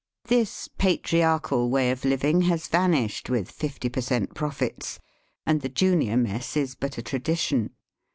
This patriarchal way of living has vanished with fifty per cent, profits, and the junior mess is but a tradition.